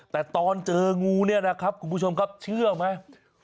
แต่ตอนเจองูเนี่ยนะครับคุณผู้ชมครับเชื่อไหม